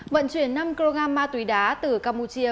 vận chuyển năm kg ma túy đá từ campuchia